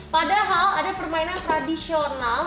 padahal ada permainan tradisional